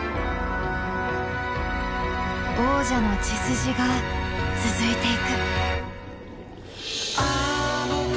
王者の血筋が続いていく。